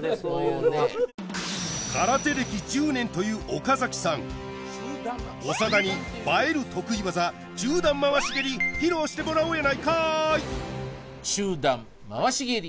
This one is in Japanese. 空手歴１０年という岡崎さん長田に映える得意技中段回し蹴り披露してもらおうやないかいはい